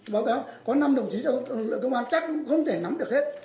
báo cáo có năm đồng chí trong lực lượng công an chắc cũng không thể nắm được hết